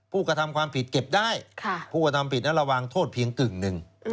ผู้กระทำความผิดเก็บได้ผู้กระทำผิดนั้นระวังโทษเพียงกึ่งหนึ่ง